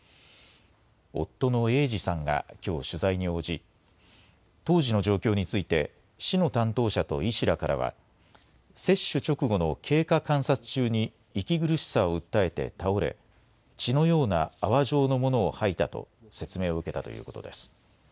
夫の英治さんがきょう取材に応じ、当時の状況について、市の担当者と医師らからは、接種直後の経過観察中に息苦しさを訴えて倒れ、血のような泡状のものを吐いたと説明を受けたということです。